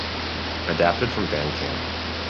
Adapted from Bandcamp.